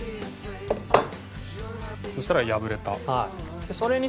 そしたら破れた。